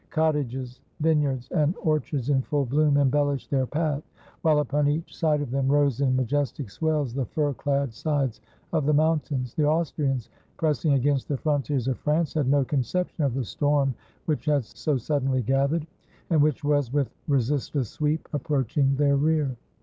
Cottages, vineyards and or chards in full bloom, embellished their path, while upon each side of them rose, in majestic swells, the fir clad sides of the mountains. The Austrians, pressing against the frontiers of France, had no conception of the storm which had so suddenly gathered, and which was, with resistless sweep, approaching their rear.